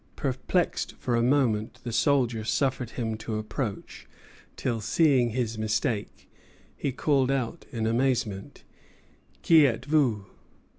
Perplexed for a moment, the soldier suffered him to approach; till, seeing his mistake, he called out in amazement, "Qui êtes vous?"